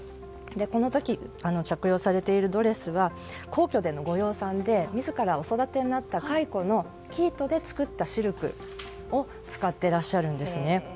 この時、着用されているドレスは皇居でのご予算で自らお育てになった蚕の生糸で作ったシルクを使ってらっしゃるんですね。